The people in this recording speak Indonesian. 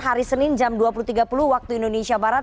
hari senin jam dua puluh tiga puluh waktu indonesia barat